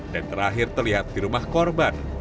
dan terakhir terlihat di rumah korban